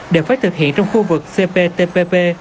đều phải thực hiện trong khu vực cptpp